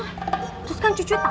terus kan cucunya takut